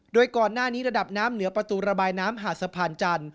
โดยก่อนหน้านี้ระดับน้ำเหนือประตูระบายน้ำหาดสะพานจันทร์